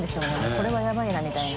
これはヤバイなみたいな。